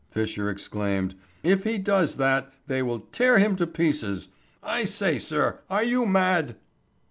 Fisher exclaimed. "If he does that, they will tear him to pieces. I say, sir, are you mad?"